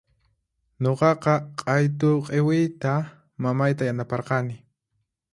Nuqaqa q'aytu khiwiyta mamayta yanaparqani.